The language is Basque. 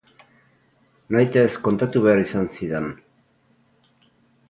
Nahitaez kontatu behar izan zidan.